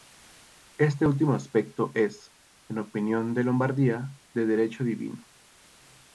Este último aspecto es, en opinión de Lombardía, de Derecho divino.